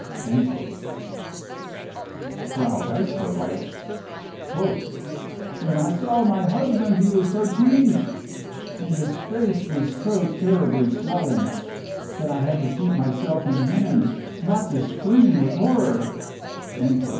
" j Frau Geisler writes : ;ij: ', i I " When I saw my husband he was so changed, and his I face was so terribly swollen, that I had to keep myself | in hand not to scream with horror."